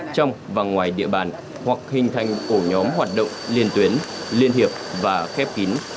trong và ngoài địa bàn hoặc hình thành ổ nhóm hoạt động liên tuyến liên hiệp và khép kín